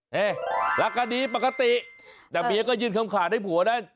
รักกันดีปกติแต่เมียก็ยื่นคำขาดให้ผัวได้